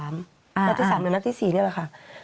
นัดที่๓หรือนัดที่๔นี่แหละค่ะ